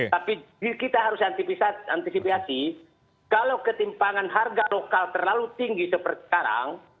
tapi kita harus antisipasi kalau ketimpangan harga lokal terlalu tinggi seperti sekarang